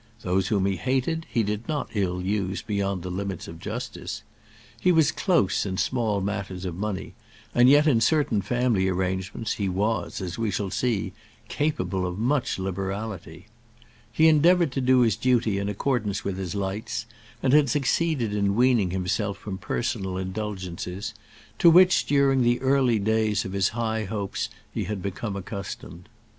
Those whom he hated he did not ill use beyond the limits of justice. He was close in small matters of money, and yet in certain family arrangements he was, as we shall see, capable of much liberality. He endeavoured to do his duty in accordance with his lights, and had succeeded in weaning himself from personal indulgences, to which during the early days of his high hopes he had become accustomed.